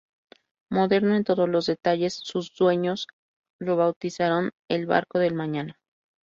Moderno en todos los detalles, sus dueños lo bautizaron "el barco del mañana".